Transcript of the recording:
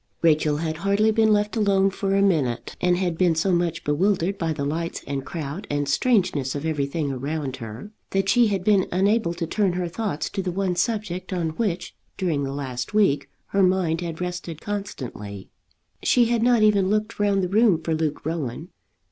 Rachel had hardly been left alone for a minute, and had been so much bewildered by the lights and crowd and strangeness of everything around her, that she had been unable to turn her thoughts to the one subject on which during the last week her mind had rested constantly. She had not even looked round the room for Luke Rowan.